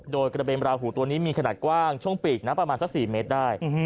โดยกระเบนราหูตัวนี้มีขนาดกว้างช่วงปีกนะประมาณสัก๔เมตรได้